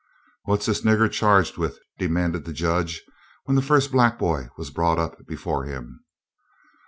"What's this nigger charged with?" demanded the Judge when the first black boy was brought up before him.